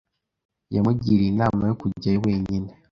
Yamugiriye inama yo kujyayo wenyine.